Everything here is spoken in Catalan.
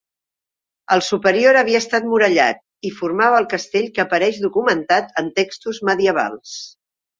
El superior havia estat murallat, i formava el castell que apareix documentat en textos medievals.